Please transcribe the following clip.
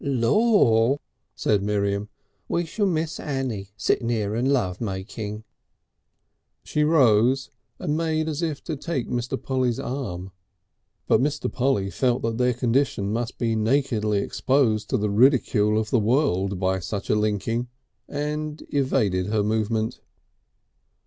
"Lor'!" said Miriam, "we shall miss Annie sitting 'ere and love making!" She rose and made as if to take Mr. Polly's arm. But Mr. Polly felt that their condition must be nakedly exposed to the ridicule of the world by such a linking, and evaded her movement.